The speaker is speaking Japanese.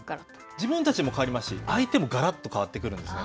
自分たちも変わりますし、相手もがらっと変わってくるんですね。